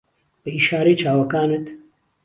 بە ئیشارەی چاوەکانت